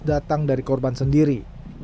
datang dari korban sendiri